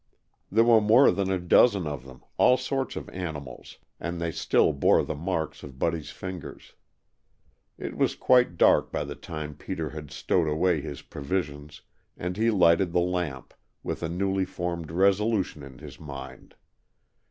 There were more than a dozen of them all sorts of animals and they still bore the marks of Buddy's fingers. It was quite dark by the time Peter had stowed away his provisions, and he lighted the lamp, with a newly formed resolution in his mind.